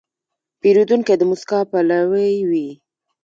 پیرودونکی د موسکا پلوی وي.